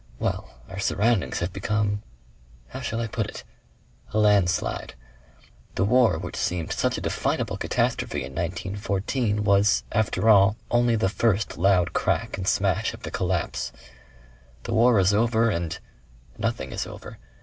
Well, our surroundings have become how shall I put it? a landslide. The war which seemed such a definable catastrophe in 1914 was, after all, only the first loud crack and smash of the collapse. The war is over and nothing is over.